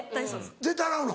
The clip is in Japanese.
絶対洗うの？